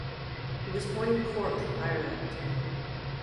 He was born in Cork, Ireland.